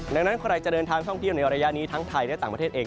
ดังนั้นใครจะเดินทางท่องเที่ยวในระยะนี้ทั้งไทยและต่างประเทศเอง